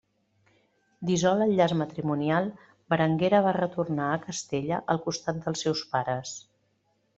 Dissolt el llaç matrimonial Berenguera va retornar a Castella al costat dels seus pares.